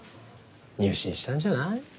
入信したんじゃない？